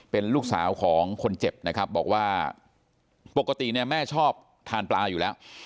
เป็นลูกสาวของคนเจ็บนะครับบอกว่าปกติเนี่ยแม่ชอบทานปลาอยู่แล้ว